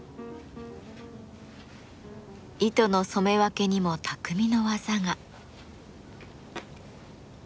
糸の染め分けにも匠の技が。